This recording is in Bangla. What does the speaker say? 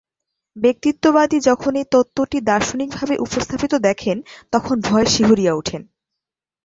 ব্যক্তিত্ববাদী যখন এই তত্ত্বটি দার্শনিকভাবে উপস্থাপিত দেখেন, তখন ভয়ে শিহরিয়া উঠেন।